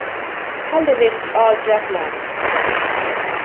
Ħalli ngħid x'qal Jack Lang.